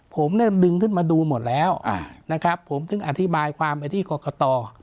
ผมเนี่ยดึงขึ้นมาดูหมดแล้วนะครับผมถึงอธิบายความไปที่กรกต